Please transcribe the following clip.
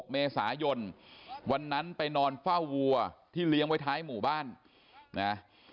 เมษายนวันนั้นไปนอนเฝ้าวัวที่เลี้ยงไว้ท้ายหมู่บ้านนะ